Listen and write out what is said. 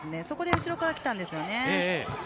そこで後ろから来たんです。